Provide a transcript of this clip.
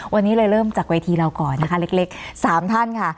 วันนี้เลยเริ่มจากเวทีเราก่อนนะคะเล็ก๓ท่านค่ะ